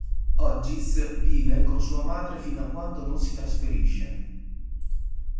Hodges vive con sua madre fino a quando non si trasferisce.